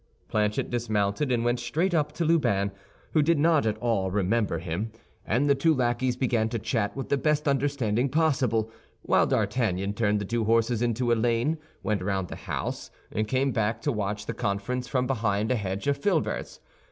Planchet dismounted and went straight up to Lubin, who did not at all remember him, and the two lackeys began to chat with the best understanding possible; while D'Artagnan turned the two horses into a lane, went round the house, and came back to watch the conference from behind a hedge of filberts.